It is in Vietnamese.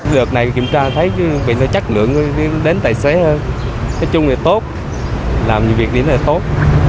lượt này kiểm tra thấy bị nó chắc lượng đến tài xế hơn nói chung là tốt làm những việc đi nó là tốt